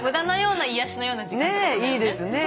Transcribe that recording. ねえいいですね。